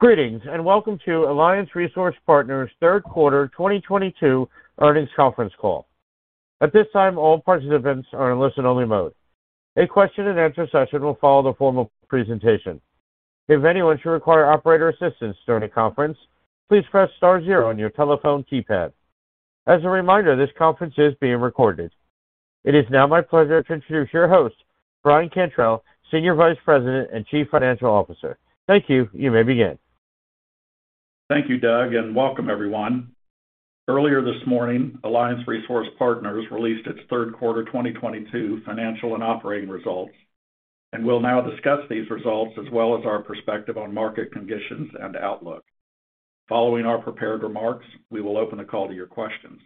Greetings, and welcome to Alliance Resource Partners Third Quarter 2022 Earnings Conference Call. At this time, all participants are in listen-only mode. A question-and-answer session will follow the formal presentation. If anyone should require operator assistance during the conference, please press star zero on your telephone keypad. As a reminder, this conference is being recorded. It is now my pleasure to introduce your host, Brian Cantrell, Senior Vice President and Chief Financial Officer. Thank you. You may begin. Thank you, Doug, and welcome everyone. Earlier this morning, Alliance Resource Partners released its third quarter 2022 financial and operating results, and we'll now discuss these results as well as our perspective on market conditions and outlook. Following our prepared remarks, we will open the call to your questions.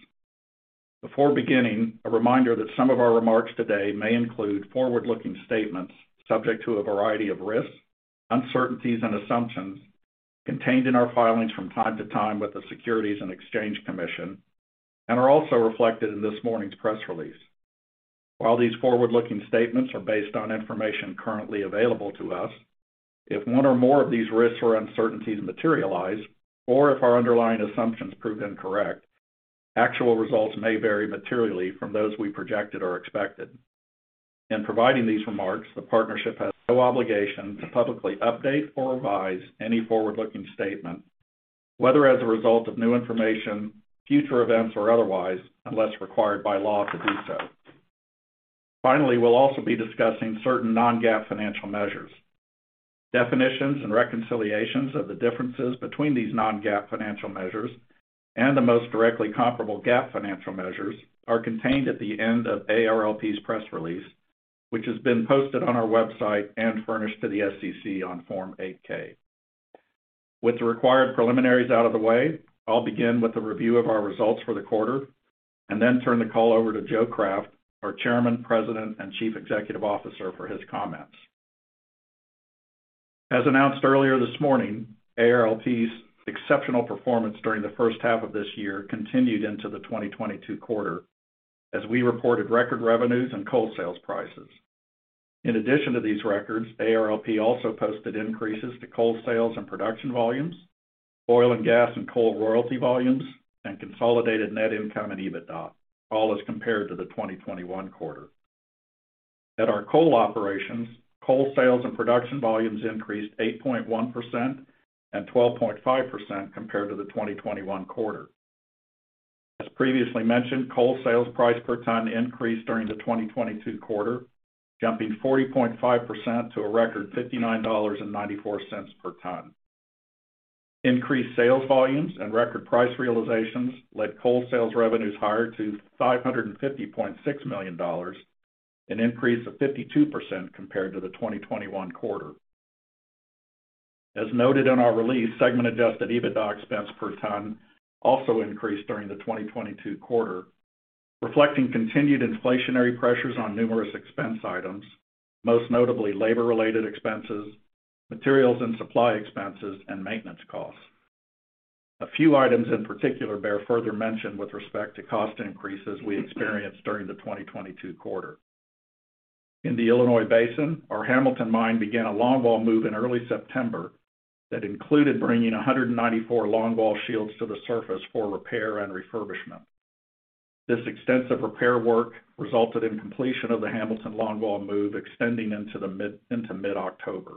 Before beginning, a reminder that some of our remarks today may include forward-looking statements subject to a variety of risks, uncertainties, and assumptions contained in our filings from time to time with the Securities and Exchange Commission and are also reflected in this morning's press release. While these forward-looking statements are based on information currently available to us, if one or more of these risks or uncertainties materialize, or if our underlying assumptions prove incorrect, actual results may vary materially from those we projected or expected. In providing these remarks, the partnership has no obligation to publicly update or revise any forward-looking statement, whether as a result of new information, future events, or otherwise, unless required by law to do so. Finally, we'll also be discussing certain non-GAAP financial measures. Definitions and reconciliations of the differences between these non-GAAP financial measures and the most directly comparable GAAP financial measures are contained at the end of ARLP's press release, which has been posted on our website and furnished to the SEC on Form 8-K. With the required preliminaries out of the way, I'll begin with a review of our results for the quarter and then turn the call over to Joe Craft, our Chairman, President, and Chief Executive Officer, for his comments. As announced earlier this morning, ARLP's exceptional performance during the first half of this year continued into the 2022 quarter as we reported record revenues and coal sales prices. In addition to these records, ARLP also posted increases to coal sales and production volumes, oil and gas and coal royalty volumes, and consolidated net income and EBITDA, all as compared to the 2021 quarter. At our coal operations, coal sales and production volumes increased 8.1% and 12.5% compared to the 2021 quarter. As previously mentioned, coal sales price per ton increased during the 2022 quarter, jumping 40.5% to a record $59.94 per ton. Increased sales volumes and record price realizations led coal sales revenues higher to $550.6 million, an increase of 52% compared to the 2021 quarter. As noted in our release, segment adjusted EBITDA expense per ton also increased during the 2022 quarter, reflecting continued inflationary pressures on numerous expense items, most notably labor-related expenses, materials and supply expenses, and maintenance costs. A few items in particular bear further mention with respect to cost increases we experienced during the 2022 quarter. In the Illinois Basin, our Hamilton Mine began a longwall move in early September that included bringing 194 longwall shields to the surface for repair and refurbishment. This extensive repair work resulted in completion of the Hamilton longwall move extending into mid-October.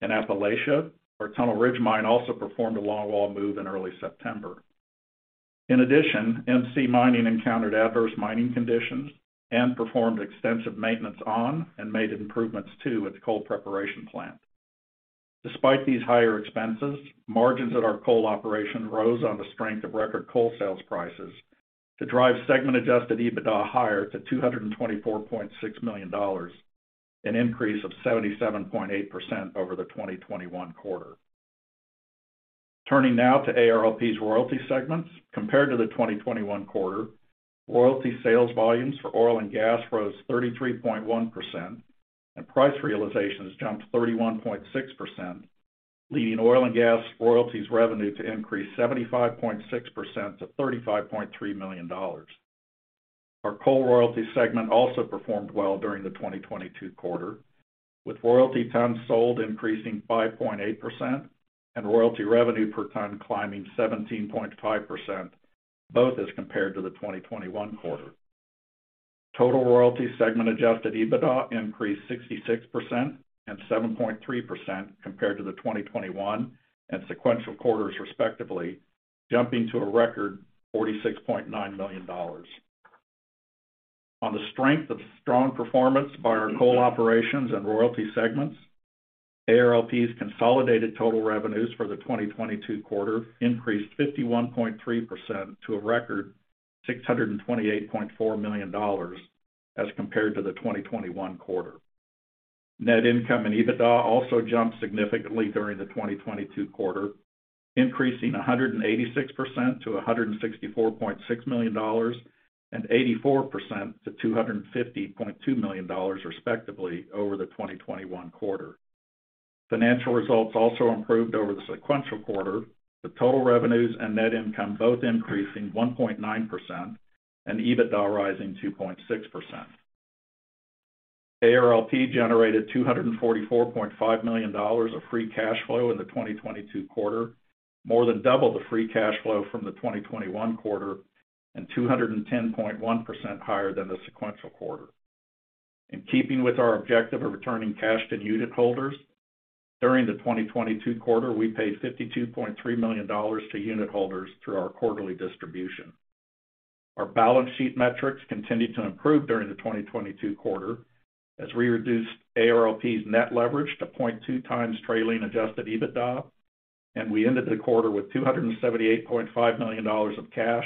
In Appalachia, our Tunnel Ridge Mine also performed a longwall move in early September. In addition, MC Mining encountered adverse mining conditions and performed extensive maintenance on and made improvements to its coal preparation plant. Despite these higher expenses, margins at our coal operation rose on the strength of record coal sales prices to drive segment adjusted EBITDA higher to $224.6 million, an increase of 77.8% over the 2021 quarter. Turning now to ARLP's royalty segments. Compared to the 2021 quarter, royalty sales volumes for oil and gas rose 33.1% and price realizations jumped 31.6%, leading oil and gas royalties revenue to increase 75.6% to $35.3 million. Our coal royalty segment also performed well during the 2022 quarter, with royalty tons sold increasing 5.8% and royalty revenue per ton climbing 17.5%, both as compared to the 2021 quarter. Total royalty segment adjusted EBITDA increased 66% and 7.3% compared to the 2021 and sequential quarters, respectively, jumping to a record $46.9 million. On the strength of strong performance by our coal operations and royalty segments, ARLP's consolidated total revenues for the 2022 quarter increased 51.3% to a record $628.4 million as compared to the 2021 quarter. Net income and EBITDA also jumped significantly during the 2022 quarter, increasing 186% to $164.6 million and 84% to $250.2 million, respectively, over the 2021 quarter. Financial results also improved over the sequential quarter, with total revenues and net income both increasing 1.9% and EBITDA rising 2.6%. ARLP generated $244.5 million of free cash flow in the 2022 quarter, more than double the free cash flow from the 2021 quarter, and 210.1% higher than the sequential quarter. In keeping with our objective of returning cash to unitholders, during the 2022 quarter, we paid $52.3 million to unitholders through our quarterly distribution. Our balance sheet metrics continued to improve during the 2022 quarter as we reduced ARLP's net leverage to 0.2x trailing adjusted EBITDA, and we ended the quarter with $278.5 million of cash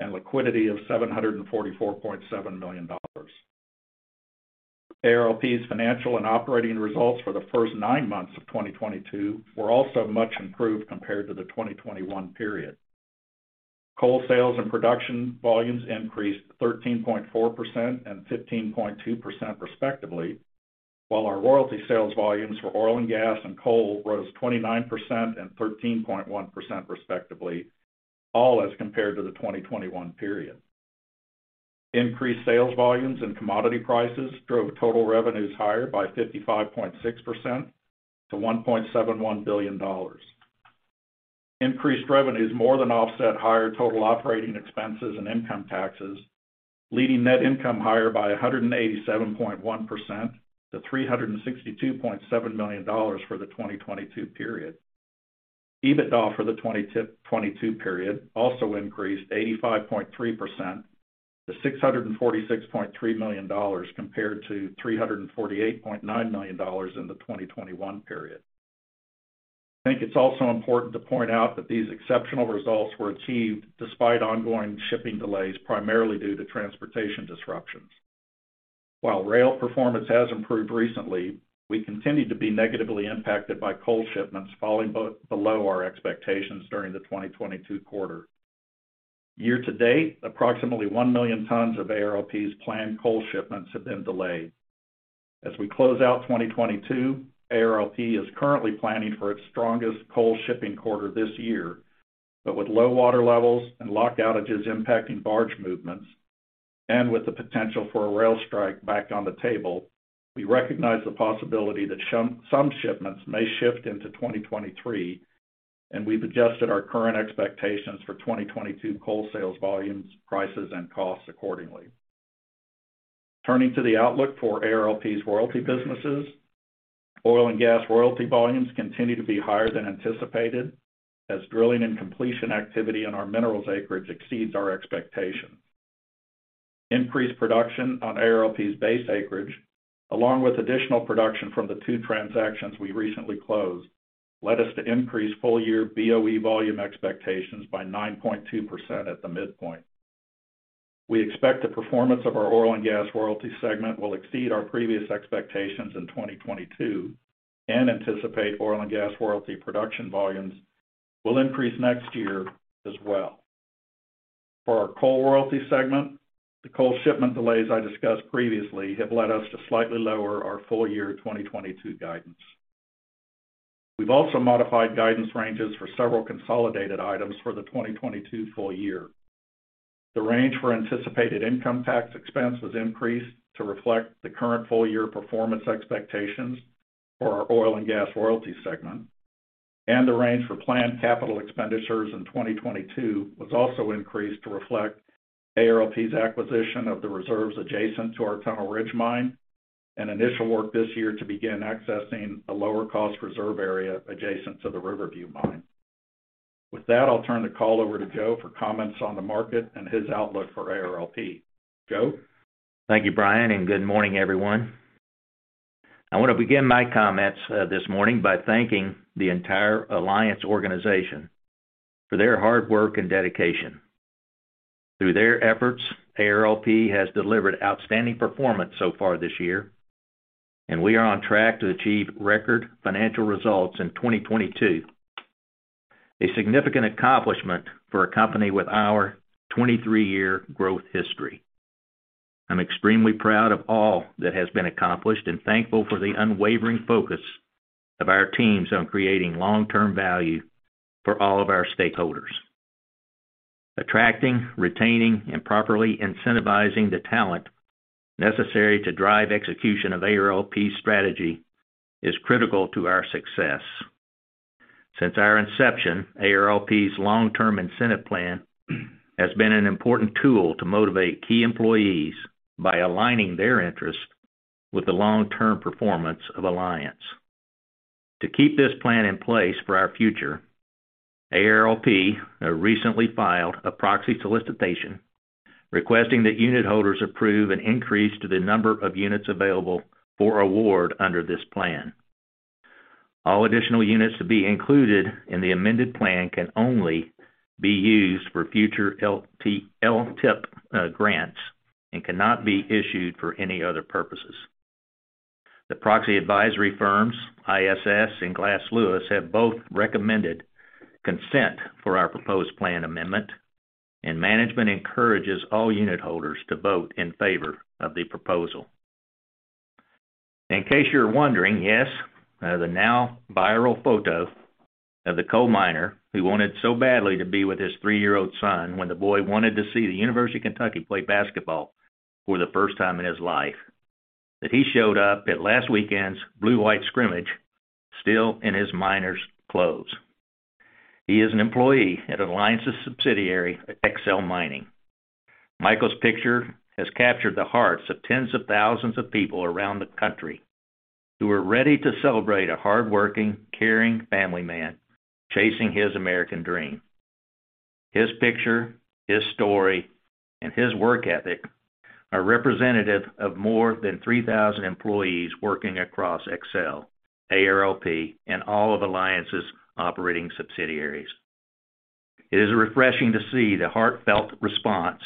and liquidity of $744.7 million. ARLP's financial and operating results for the first nine months of 2022 were also much improved compared to the 2021 period. Coal sales and production volumes increased 13.4% and 15.2% respectively, while our royalty sales volumes for oil and gas and coal rose 29% and 13.1% respectively, all as compared to the 2021 period. Increased sales volumes and commodity prices drove total revenues higher by 55.6% to $1.71 billion. Increased revenues more than offset higher total operating expenses and income taxes, leading net income higher by 187.1% to $362.7 million for the 2022 period. EBITDA for the 2022 period also increased 85.3% to $646.3 million compared to $348.9 million in the 2021 period. I think it's also important to point out that these exceptional results were achieved despite ongoing shipping delays, primarily due to transportation disruptions. While rail performance has improved recently, we continue to be negatively impacted by coal shipments falling below our expectations during the 2022 quarter. Year to date, approximately 1 million tons of ARLP's planned coal shipments have been delayed. As we close out 2022, ARLP is currently planning for its strongest coal shipping quarter this year. With low water levels and lock outages impacting barge movements, and with the potential for a rail strike back on the table, we recognize the possibility that some shipments may shift into 2023, and we've adjusted our current expectations for 2022 coal sales volumes, prices, and costs accordingly. Turning to the outlook for ARLP's royalty businesses, oil and gas royalty volumes continue to be higher than anticipated as drilling and completion activity on our minerals acreage exceeds our expectations. Increased production on ARLP's base acreage, along with additional production from the two transactions we recently closed, led us to increase full-year BOE volume expectations by 9.2% at the midpoint. We expect the performance of our oil and gas royalty segment will exceed our previous expectations in 2022 and anticipate oil and gas royalty production volumes will increase next year as well. For our coal royalty segment, the coal shipment delays I discussed previously have led us to slightly lower our full year 2022 guidance. We've also modified guidance ranges for several consolidated items for the 2022 full year. The range for anticipated income tax expense was increased to reflect the current full-year performance expectations for our oil and gas royalty segment. The range for planned capital expenditures in 2022 was also increased to reflect ARLP's acquisition of the reserves adjacent to our Tunnel Ridge Mine and initial work this year to begin accessing a lower-cost reserve area adjacent to the Riverview Mine. With that, I'll turn the call over to Joe for comments on the market and his outlook for ARLP. Joe? Thank you, Brian, and good morning, everyone. I want to begin my comments this morning by thanking the entire Alliance organization for their hard work and dedication. Through their efforts, ARLP has delivered outstanding performance so far this year, and we are on track to achieve record financial results in 2022, a significant accomplishment for a company with our 23-year growth history. I'm extremely proud of all that has been accomplished and thankful for the unwavering focus of our teams on creating long-term value for all of our stakeholders. Attracting, retaining, and properly incentivizing the talent necessary to drive execution of ARLP's strategy is critical to our success. Since our inception, ARLP's long-term incentive plan has been an important tool to motivate key employees by aligning their interests with the long-term performance of Alliance. To keep this plan in place for our future, ARLP recently filed a proxy solicitation requesting that unitholders approve an increase to the number of units available for award under this plan. All additional units to be included in the amended plan can only be used for future LTIP grants and cannot be issued for any other purposes. The proxy advisory firms, ISS and Glass Lewis, have both recommended consent for our proposed plan amendment, and management encourages all unitholders to vote in favor of the proposal. In case you're wondering, yes, the now viral photo of the coal miner who wanted so badly to be with his three-year-old son when the boy wanted to see the University of Kentucky play basketball for the first time in his life, that he showed up at last weekend's Blue-White scrimmage still in his miner's clothes. He is an employee at Alliance's subsidiary, Excel Mining. Michael's picture has captured the hearts of tens of thousands of people around the country who are ready to celebrate a hardworking, caring family man chasing his American dream. His picture, his story, and his work ethic are representative of more than 3,000 employees working across Excel, ARLP, and all of Alliance's operating subsidiaries. It is refreshing to see the heartfelt response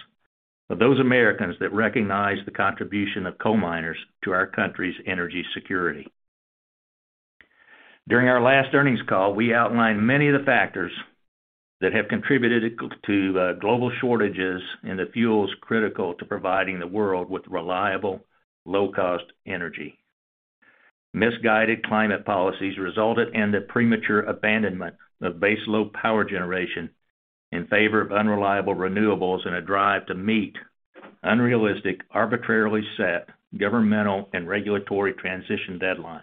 of those Americans that recognize the contribution of coal miners to our country's energy security. During our last earnings call, we outlined many of the factors that have contributed to global shortages in the fuels critical to providing the world with reliable, low-cost energy. Misguided climate policies resulted in the premature abandonment of baseload power generation in favor of unreliable renewables and a drive to meet unrealistic, arbitrarily set governmental and regulatory transition deadlines.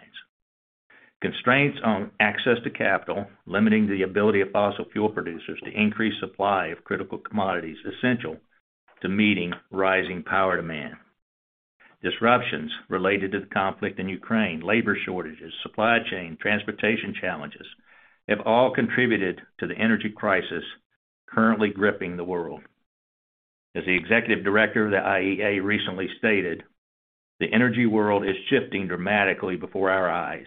Constraints on access to capital, limiting the ability of fossil fuel producers to increase supply of critical commodities essential to meeting rising power demand. Disruptions related to the conflict in Ukraine, labor shortages, supply chain, transportation challenges have all contributed to the energy crisis currently gripping the world. As the executive director of the IEA recently stated, "The energy world is shifting dramatically before our eyes,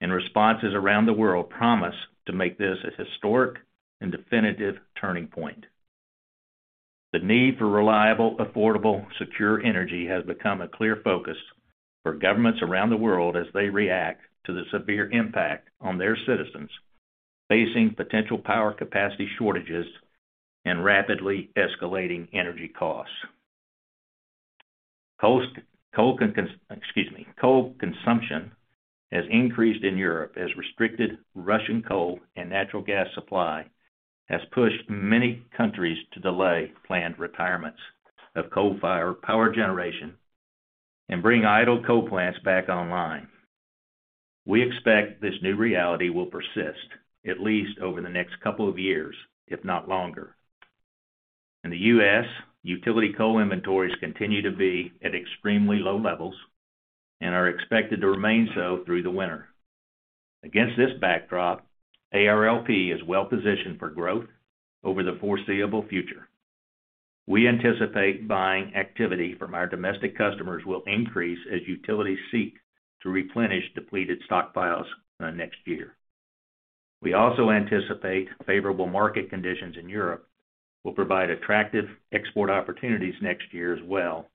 and responses around the world promise to make this a historic and definitive turning point." The need for reliable, affordable, secure energy has become a clear focus for governments around the world as they react to the severe impact on their citizens facing potential power capacity shortages and rapidly escalating energy costs. Coal consumption has increased in Europe as restricted Russian coal and natural gas supply has pushed many countries to delay planned retirements of coal-fired power generation and bring idle coal plants back online. We expect this new reality will persist at least over the next couple of years, if not longer. In the U.S., utility coal inventories continue to be at extremely low levels and are expected to remain so through the winter. Against this backdrop, ARLP is well-positioned for growth over the foreseeable future. We anticipate buying activity from our domestic customers will increase as utilities seek to replenish depleted stockpiles next year. We also anticipate favorable market conditions in Europe will provide attractive export opportunities next year as well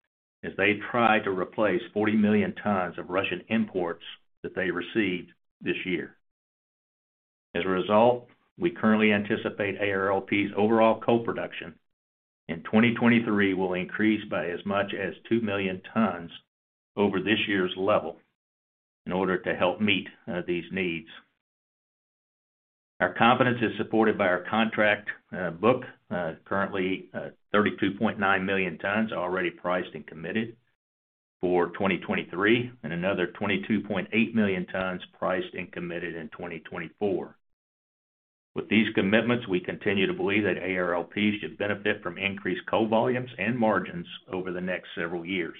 as they try to replace 40 million tons of Russian imports that they received this year. As a result, we currently anticipate ARLP's overall coal production in 2023 will increase by as much as 2 million tons over this year's level in order to help meet these needs. Our confidence is supported by our contract book, currently 32.9 million tons already priced and committed for 2023 and another 22.8 million tons priced and committed in 2024. With these commitments, we continue to believe that ARLP should benefit from increased coal volumes and margins over the next several years.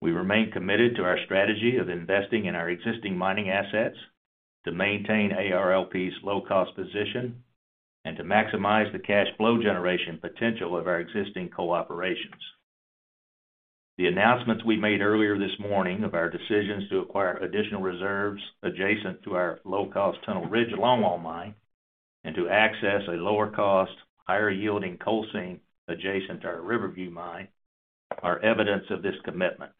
We remain committed to our strategy of investing in our existing mining assets to maintain ARLP's low-cost position and to maximize the cash flow generation potential of our existing coal operations. The announcements we made earlier this morning of our decisions to acquire additional reserves adjacent to our low-cost Tunnel Ridge longwall mine and to access a lower-cost, higher-yielding coal seam adjacent to our Riverview mine are evidence of this commitment.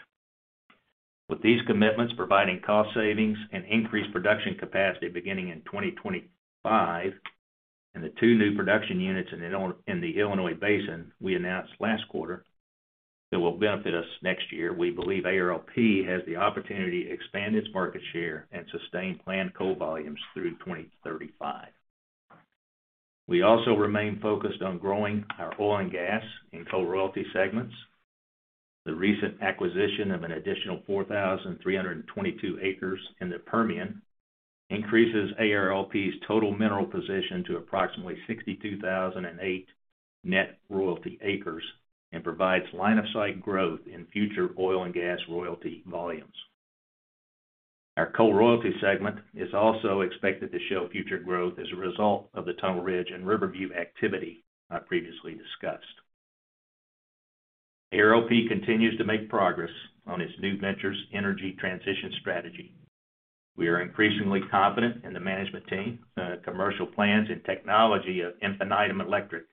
With these commitments providing cost savings and increased production capacity beginning in 2025 and the two new production units in the Illinois Basin we announced last quarter that will benefit us next year, we believe ARLP has the opportunity to expand its market share and sustain planned coal volumes through 2035. We also remain focused on growing our oil and gas and coal royalty segments. The recent acquisition of an additional 4,322 acres in the Permian increases ARLP's total mineral position to approximately 62,008 net royalty acres and provides line-of-sight growth in future oil and gas royalty volumes. Our coal royalty segment is also expected to show future growth as a result of the Tunnel Ridge and Riverview activity I previously discussed. ARLP continues to make progress on its New Ventures energy transition strategy. We are increasingly confident in the management team, commercial plans, and technology of Infinitum Electric,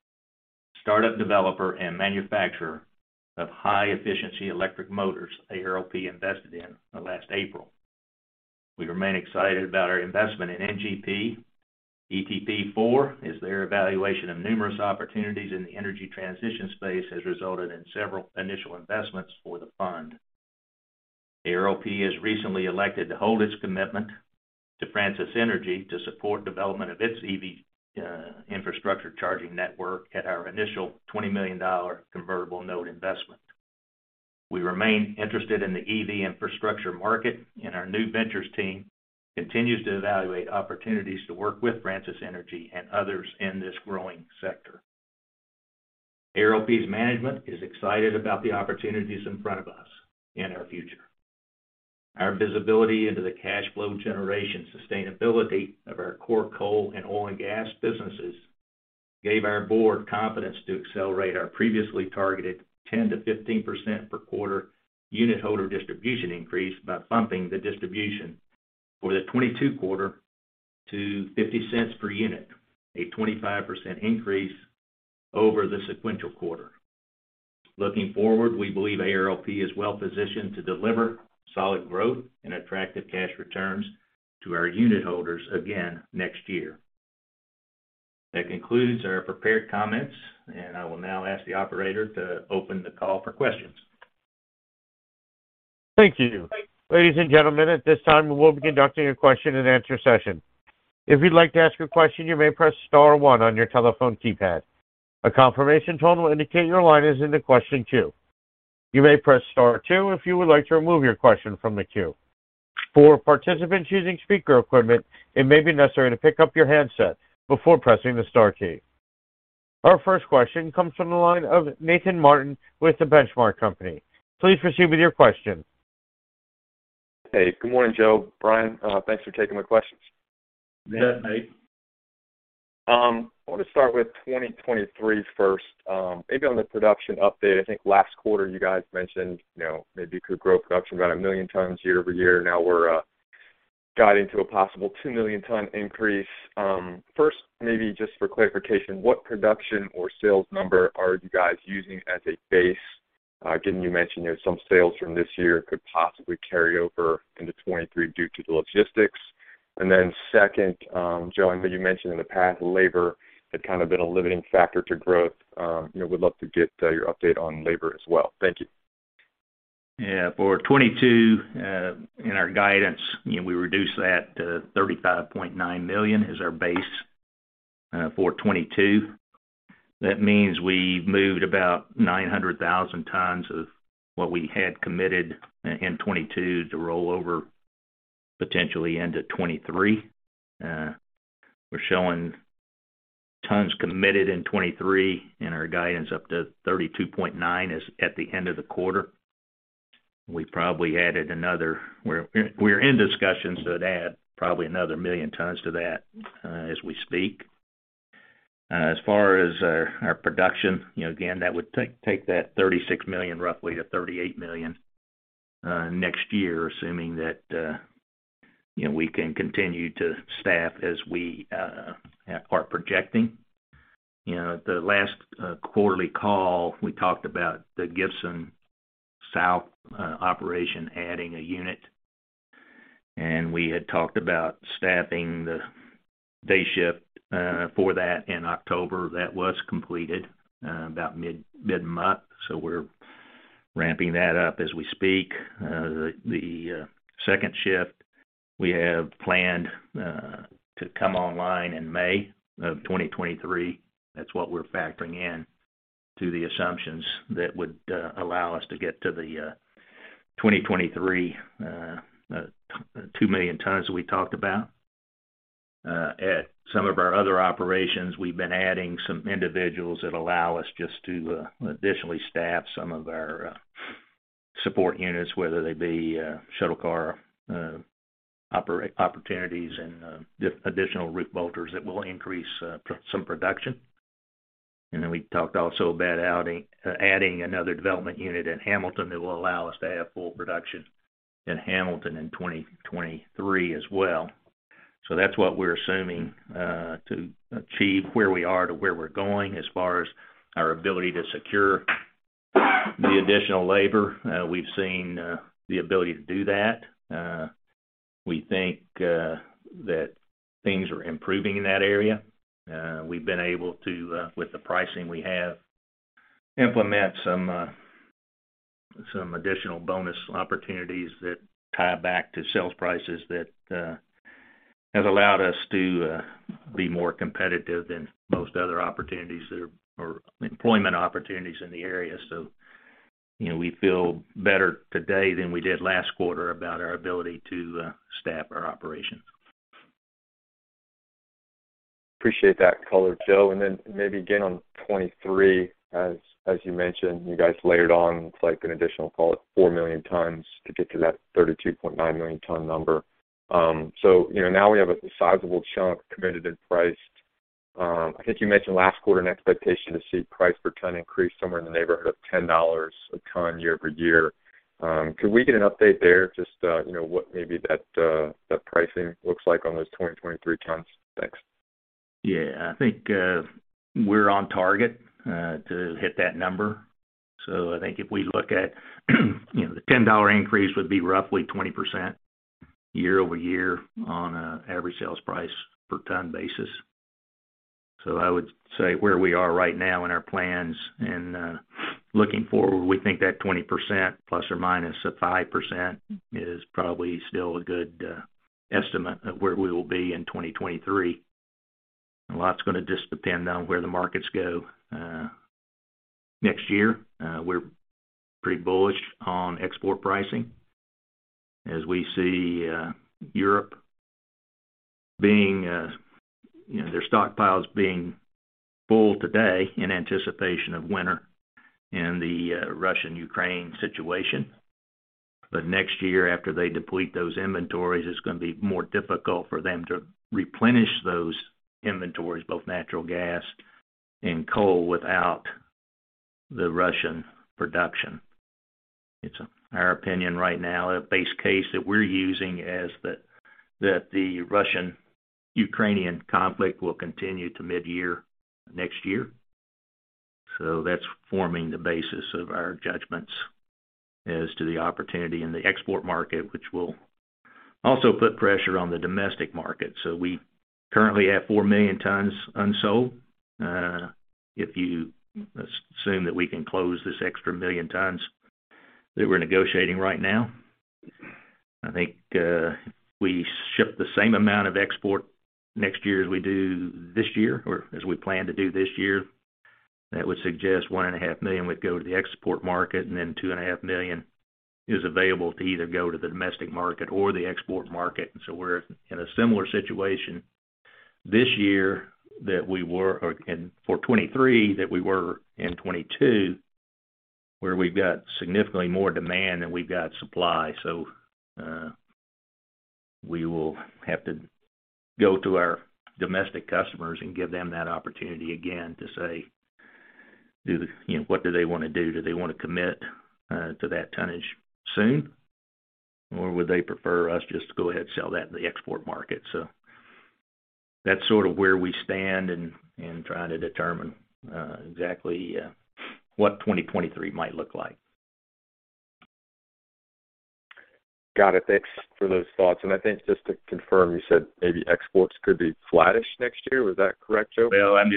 startup developer, and manufacturer of high-efficiency electric motors ARLP invested in last April. We remain excited about our investment in NGP ETP IV. Their evaluation of numerous opportunities in the energy transition space has resulted in several initial investments for the fund. ARLP has recently elected to hold its commitment to Francis Energy to support development of its EV infrastructure charging network at our initial $20 million convertible note investment. We remain interested in the EV infrastructure market, and our new ventures team continues to evaluate opportunities to work with Francis Energy and others in this growing sector. ARLP's management is excited about the opportunities in front of us and our future. Our visibility into the cash flow generation sustainability of our core coal and oil and gas businesses gave our board confidence to accelerate our previously targeted 10%-15% per quarter unit holder distribution increase by bumping the distribution for the 2022 quarter to $0.50 per unit, a 25% increase over the sequential quarter. Looking forward, we believe ARLP is well-positioned to deliver solid growth and attractive cash returns to our unit holders again next year. That concludes our prepared comments, and I will now ask the operator to open the call for questions. Thank you. Ladies and gentlemen, at this time, we'll be conducting a question-and-answer session. If you'd like to ask a question, you may press star one on your telephone keypad. A confirmation tone will indicate your line is in the question queue. You may press star two if you would like to remove your question from the queue. For participants using speaker equipment, it may be necessary to pick up your handset before pressing the star key. Our first question comes from the line of Nathan Martin with The Benchmark Company. Please proceed with your question. Hey, good morning, Joe, Brian. Thanks for taking my questions. You bet, Nate. I want to start with 2023 first. Maybe on the production update. I think last quarter you guys mentioned, you know, maybe you could grow production about a million tons year-over-year. Now we're guiding to a possible 2 million ton increase. First, maybe just for clarification, what production or sales number are you guys using as a base? Given you mentioned there's some sales from this year could possibly carry over into 2023 due to the logistics. Then second, Joe, I know you mentioned in the past labor had kind of been a limiting factor to growth. You know, would love to get your update on labor as well. Thank you. Yeah. For 2022, in our guidance, you know, we reduced that to 35.9 million is our base for 2022. That means we've moved about 900,000 tons of what we had committed in 2022 to roll over potentially into 2023. We're showing tons committed in 2023, and our guidance up to 32.9 is at the end of the quarter. We're in discussions to add probably another million tons to that, as we speak. As far as our production, you know, again, that would take that 36 million roughly to 38 million next year, assuming that, you know, we can continue to staff as we are projecting. You know, the last quarterly call, we talked about the Gibson South operation adding a unit, and we had talked about staffing the day shift for that in October. That was completed about mid-month, so we're ramping that up as we speak. The second shift we have planned to come online in May of 2023. That's what we're factoring in to the assumptions that would allow us to get to the 2023 2 million tons we talked about. At some of our other operations, we've been adding some individuals that allow us just to additionally staff some of our support units, whether they be shuttle car opportunities and additional roof bolters that will increase some production. We talked also about adding another development unit in Hamilton that will allow us to have full production in Hamilton in 2023 as well. That's what we're assuming to achieve where we are to where we're going. As far as our ability to secure the additional labor, we've seen the ability to do that. We think that things are improving in that area. We've been able to, with the pricing we have, implement some additional bonus opportunities that tie back to sales prices that has allowed us to be more competitive than most other opportunities or employment opportunities in the area. You know, we feel better today than we did last quarter about our ability to staff our operations. Appreciate that color, Joe. Maybe again on 2023, as you mentioned, you guys layered on, it's like an additional, call it 4 million tons to get to that 32.9 million ton number. You know, now we have a sizable chunk committed and priced. I think you mentioned last quarter an expectation to see price per ton increase somewhere in the neighborhood of $10 a ton year-over-year. Could we get an update there? Just, you know, what maybe that pricing looks like on those 2023 tons? Thanks. Yeah. I think we're on target to hit that number. I think if we look at, you know, the $10 increase would be roughly 20% year-over-year on an average sales price per ton basis. I would say where we are right now in our plans and looking forward, we think that 20% ±5% is probably still a good estimate of where we will be in 2023. A lot's gonna just depend on where the markets go next year. We're pretty bullish on export pricing as we see Europe being, you know, their stockpiles being full today in anticipation of winter and the Russian-Ukraine situation. Next year after they deplete those inventories, it's gonna be more difficult for them to replenish those inventories, both natural gas and coal, without the Russian production. It's our opinion right now, the base case that we're using is that the Russian-Ukrainian conflict will continue to midyear next year. That's forming the basis of our judgments as to the opportunity in the export market, which will also put pressure on the domestic market. We currently have 4 million tons unsold. If you assume that we can close this extra million tons that we're negotiating right now, I think, if we ship the same amount of export next year as we do this year or as we plan to do this year, that would suggest 1.5 million would go to the export market, and then 2.5 million is available to either go to the domestic market or the export market. We're in a similar situation this year or in for 2023 that we were in 2022, where we've got significantly more demand than we've got supply. We will have to go to our domestic customers and give them that opportunity again to say, do you know, what do they wanna do? Do they wanna commit to that tonnage soon or would they prefer us just to go ahead sell that in the export market? That's sort of where we stand in trying to determine exactly what 2023 might look like. Got it. Thanks for those thoughts. I think just to confirm, you said maybe exports could be flattish next year. Is that correct, Joe? Well, I'm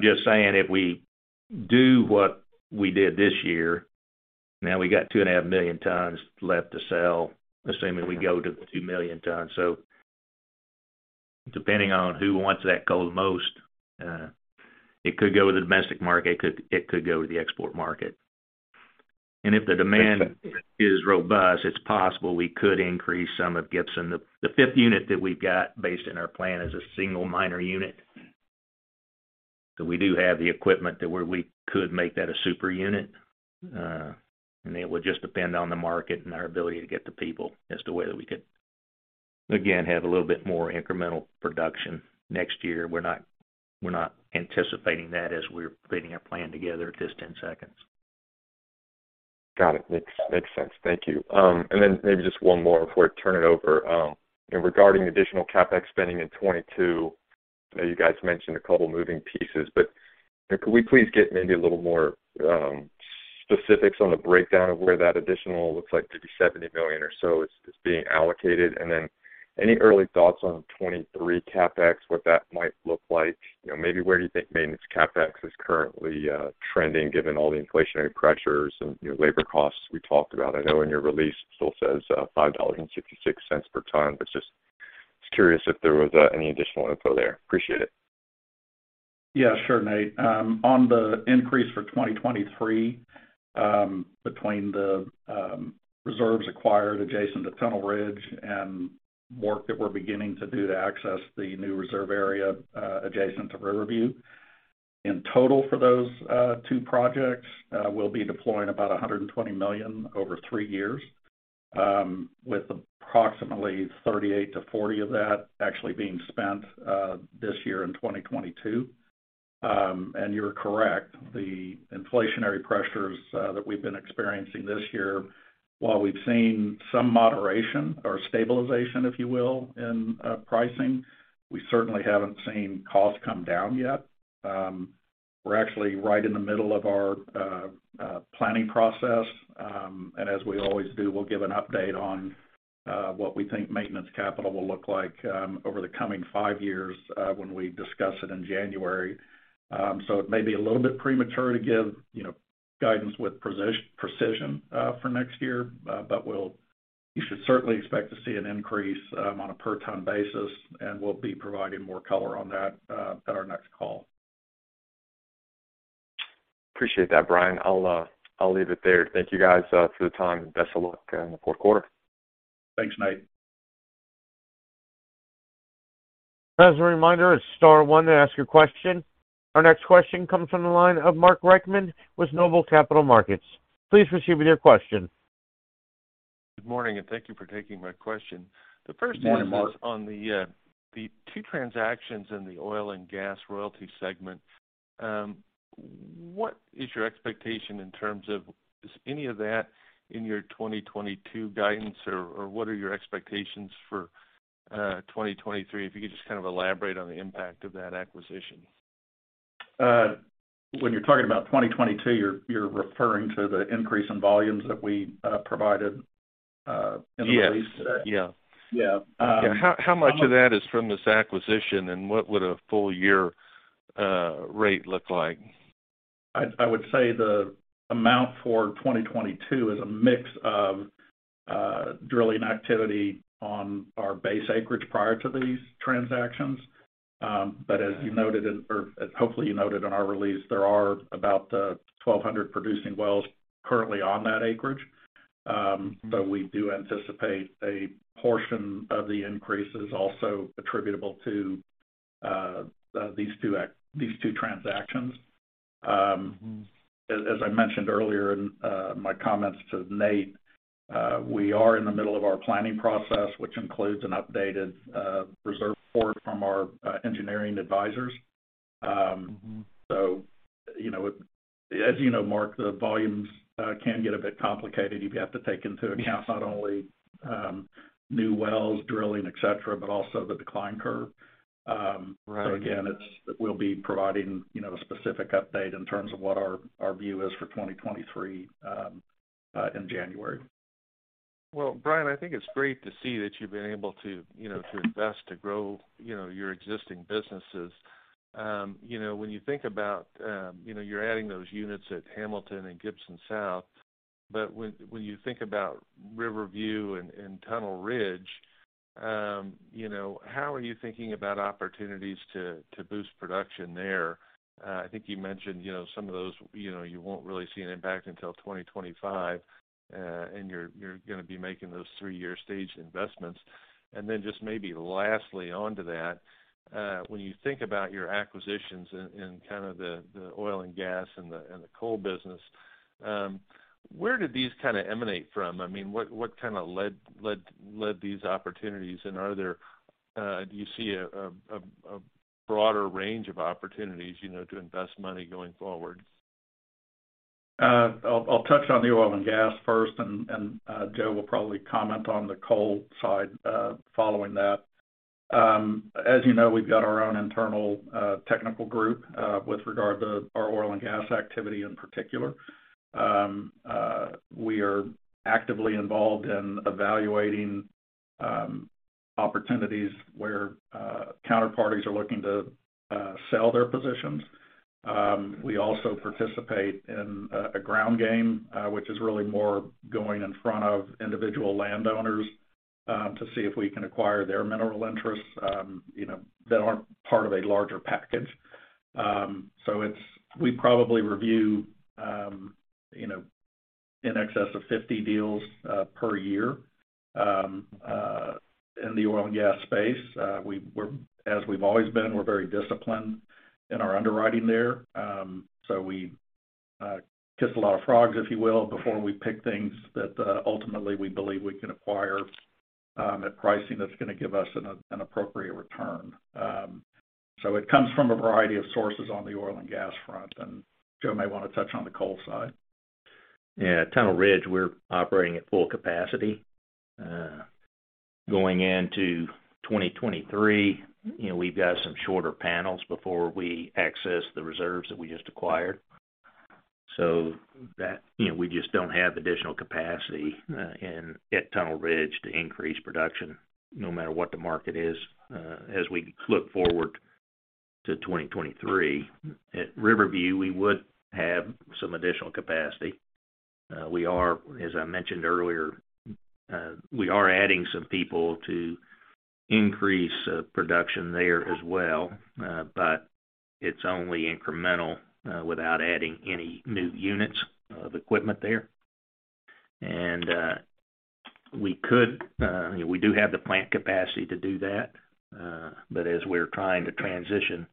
just saying if we do what we did this year, now we got 2.5 million tons left to sell, assuming we go to the 2 million tons. Depending on who wants that coal the most, it could go to the domestic market, it could go to the export market. If the demand is robust, it's possible we could increase some of Gibson. The fifth unit that we've got based in our plan is a single miner unit. We do have the equipment that we could make that a super unit, and it would just depend on the market and our ability to get the people as to whether we could, again, have a little bit more incremental production next year. We're not anticipating that as we're putting our plan together at this 10 seconds. Got it. Makes sense. Thank you. And then maybe just one more before I turn it over. Regarding additional CapEx spending in 2022, I know you guys mentioned a couple moving pieces, but could we please get maybe a little more specifics on the breakdown of where that additional looks like maybe $70 million or so is being allocated? And then any early thoughts on 2023 CapEx, what that might look like? You know, maybe where do you think maintenance CapEx is currently trending given all the inflationary pressures and, you know, labor costs we talked about? I know in your release still says $5.66 per ton, but just was curious if there was any additional info there. Appreciate it. Yeah, sure, Nate. On the increase for 2023, between the reserves acquired adjacent to Tunnel Ridge and work that we're beginning to do to access the new reserve area adjacent to Riverview. In total for those two projects, we'll be deploying about $120 million over three years, with approximately $38-$40 million of that actually being spent this year in 2022. You're correct. The inflationary pressures that we've been experiencing this year, while we've seen some moderation or stabilization, if you will, in pricing, we certainly haven't seen costs come down yet. We're actually right in the middle of our planning process. As we always do, we'll give an update on what we think maintenance capital will look like over the coming five years when we discuss it in January. It may be a little bit premature to give, you know, guidance with precision for next year. You should certainly expect to see an increase on a per ton basis, and we'll be providing more color on that at our next call. Appreciate that, Brian. I'll leave it there. Thank you guys for the time, and best of luck in the fourth quarter. Thanks, Nate. As a reminder, it's star one to ask your question. Our next question comes from the line of Mark Reichman with Noble Capital Markets. Please proceed with your question. Good morning, and thank you for taking my question. Good morning, Mark. The first item is on the the two transactions in the oil and gas royalty segment. What is your expectation in terms of is any of that in your 2022 guidance or what are your expectations for 2023? If you could just kind of elaborate on the impact of that acquisition. When you're talking about 2022, you're referring to the increase in volumes that we provided. Yes. In the release today. Yeah. Yeah. How much of that is from this acquisition, and what would a full year rate look like? I would say the amount for 2022 is a mix of drilling activity on our base acreage prior to these transactions. Mm-hmm. Hopefully you noted in our release, there are about 1,200 producing wells currently on that acreage. Mm-hmm. We do anticipate a portion of the increase is also attributable to these two transactions. Mm-hmm. As I mentioned earlier in my comments to Nate, we are in the middle of our planning process, which includes an updated reserve report from our engineering advisors. Mm-hmm. You know, as you know, Mark, the volumes can get a bit complicated if you have to take into account not only new wells, drilling, et cetera, but also the decline curve. Right. Again, we'll be providing, you know, a specific update in terms of what our view is for 2023, in January. Well, Brian, I think it's great to see that you've been able to, you know, to invest, to grow, you know, your existing businesses. You know, when you think about, you know, you're adding those units at Hamilton and Gibson South, but when you think about Riverview and Tunnel Ridge, you know, how are you thinking about opportunities to boost production there? I think you mentioned, you know, some of those, you know, you won't really see an impact until 2025, and you're gonna be making those three-year staged investments. Then just maybe lastly on to that, when you think about your acquisitions in kind of the oil and gas and the coal business, where did these kind of emanate from? I mean, what kind of led these opportunities? Are there, do you see a broader range of opportunities, you know, to invest money going forward? I'll touch on the oil and gas first, and Joe will probably comment on the coal side following that. As you know, we've got our own internal technical group with regard to our oil and gas activity in particular. We are actively involved in evaluating opportunities where counterparties are looking to sell their positions. We also participate in a ground game, which is really more going in front of individual landowners to see if we can acquire their mineral interests, you know, that aren't part of a larger package. We probably review, you know, in excess of 50 deals per year in the oil and gas space. As we've always been, we're very disciplined in our underwriting there. We kiss a lot of frogs, if you will, before we pick things that ultimately we believe we can acquire at pricing that's gonna give us an appropriate return. It comes from a variety of sources on the oil and gas front, and Joe may wanna touch on the coal side. Yeah, at Tunnel Ridge, we're operating at full capacity. Going into 2023, you know, we've got some shorter panels before we access the reserves that we just acquired. That, you know, we just don't have additional capacity at Tunnel Ridge to increase production no matter what the market is, as we look forward to 2023. At Riverview, we would have some additional capacity. As I mentioned earlier, we are adding some people to increase production there as well. It's only incremental without adding any new units of equipment there. We could, you know, we do have the plant capacity to do that. as we're trying to transition,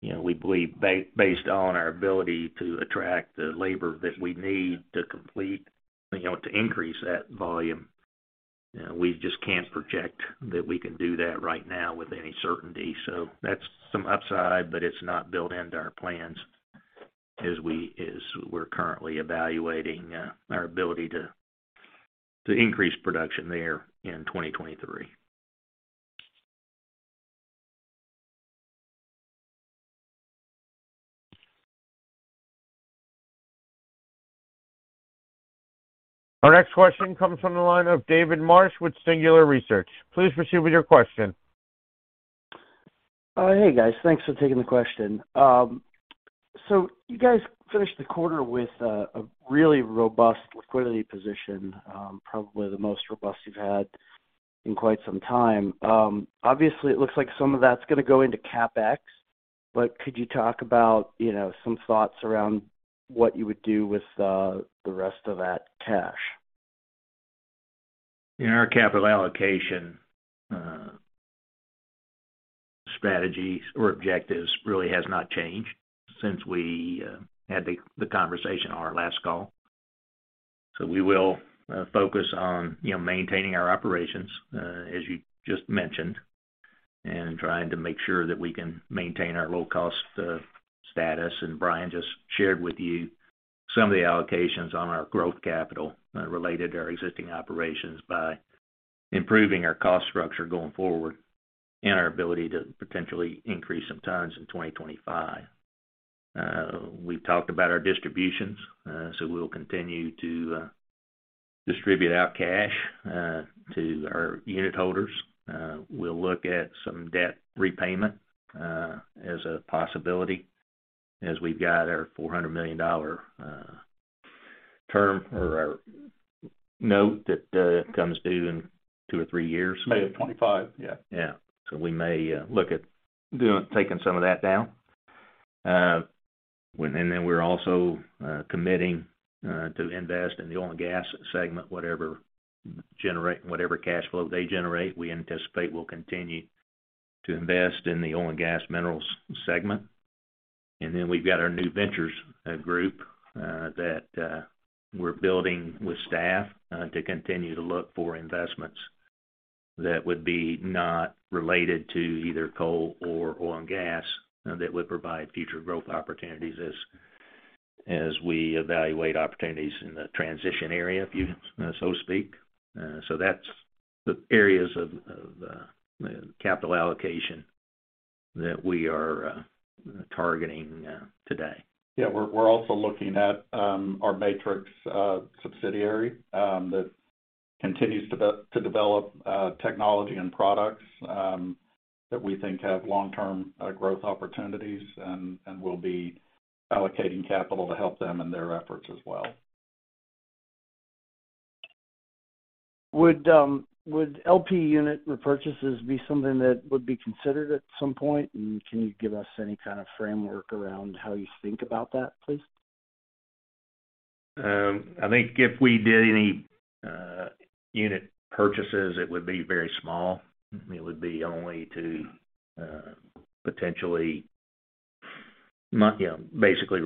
you know, we believe based on our ability to attract the labor that we need to complete, you know, to increase that volume, you know, we just can't project that we can do that right now with any certainty. That's some upside, but it's not built into our plans as we're currently evaluating our ability to increase production there in 2023. Our next question comes from the line of David Marsh with Singular Research. Please proceed with your question. Hey, guys. Thanks for taking the question. You guys finished the quarter with a really robust liquidity position, probably the most robust you've had in quite some time. Obviously, it looks like some of that's gonna go into CapEx, but could you talk about, you know, some thoughts around what you would do with the rest of that cash? In our capital allocation, strategies or objectives really has not changed since we had the conversation on our last call. We will focus on, you know, maintaining our operations as you just mentioned, and trying to make sure that we can maintain our low-cost status. Brian just shared with you some of the allocations on our growth capital related to our existing operations by improving our cost structure going forward and our ability to potentially increase some tons in 2025. We've talked about our distributions. We'll continue to distribute our cash to our unit holders. We'll look at some debt repayment as a possibility, as we've got our $400 million term or our note that comes due in 2 or 3 years. May of 2025. Yeah. Yeah, we may look at taking some of that down. We're also committing to invest in the oil and gas segment, whatever cash flow they generate. We anticipate we'll continue to invest in the oil and gas minerals segment. We've got our new ventures group that we're building with staff to continue to look for investments that would be not related to either coal or oil and gas that would provide future growth opportunities as we evaluate opportunities in the transition area, so to speak. That's the areas of capital allocation that we are targeting today. Yeah. We're also looking at our Matrix subsidiary that continues to develop technology and products that we think have long-term growth opportunities and we'll be allocating capital to help them in their efforts as well. Would LP unit repurchases be something that would be considered at some point? Can you give us any kind of framework around how you think about that, please? I think if we did any unit purchases, it would be very small. It would be only to potentially, you know, basically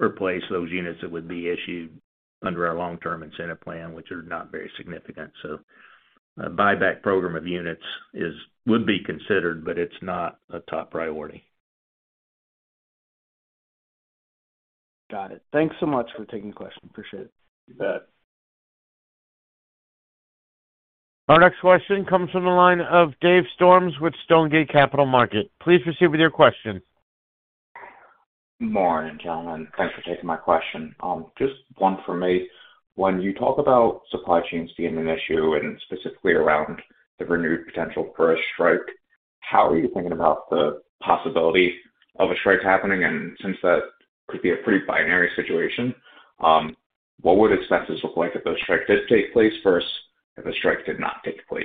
replace those units that would be issued under our long-term incentive plan, which are not very significant. A buyback program of units would be considered, but it's not a top priority. Got it. Thanks so much for taking the question. Appreciate it. You bet. Our next question comes from the line of Dave Storms with Stonegate Capital Markets. Please proceed with your question. Morning, gentlemen. Thanks for taking my question. Just one for me. When you talk about supply chains being an issue and specifically around the renewed potential for a strike, how are you thinking about the possibility of a strike happening? Since that could be a pretty binary situation, what would expenses look like if the strike did take place versus if the strike did not take place?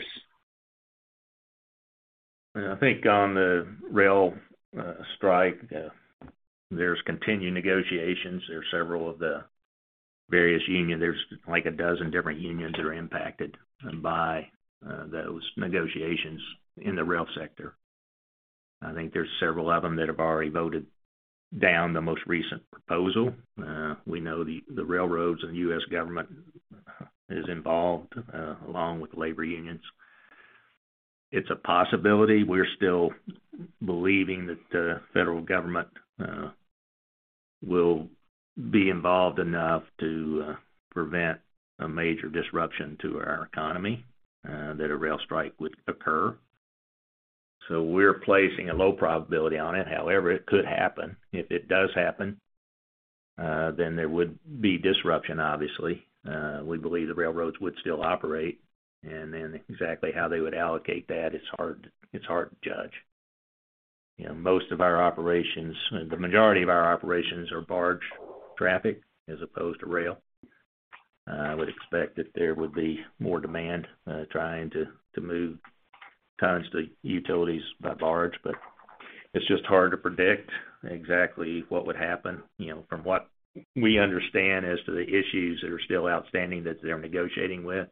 I think on the rail strike, there's continued negotiations. There are several of the various unions. There's like a dozen different unions that are impacted by those negotiations in the rail sector. I think there's several of them that have already voted down the most recent proposal. We know the railroads and U.S. government is involved, along with labor unions. It's a possibility. We're still believing that the federal government will be involved enough to prevent a major disruption to our economy that a rail strike would occur. We're placing a low probability on it. However, it could happen. If it does happen, then there would be disruption obviously. We believe the railroads would still operate, and then exactly how they would allocate that, it's hard to judge. You know, most of our operations, the majority of our operations are barge traffic as opposed to rail. I would expect that there would be more demand, trying to move tons to utilities by barge, but it's just hard to predict exactly what would happen. You know, from what we understand as to the issues that are still outstanding that they're negotiating with,